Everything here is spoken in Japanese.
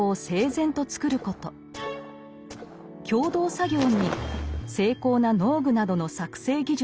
共同作業に精巧な農具などの作製技術。